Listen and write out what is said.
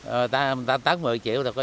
rồi ta tán một mươi triệu rồi